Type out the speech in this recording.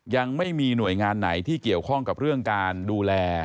ยังไม่มีหน่วยงานไหนที่เกี่ยวข้องกับเรื่องการดูแล